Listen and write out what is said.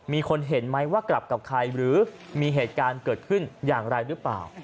มีคนเห็นไหมว่ากลับกับใครหรือมีเหตุการณ์เกิดขึ้นอย่างไรหรือเปล่า